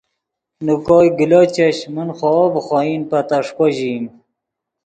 نے کوئے گلو چش من خوئے ڤے خوئن پے تیݰکو ژئیم